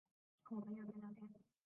和朋友边聊天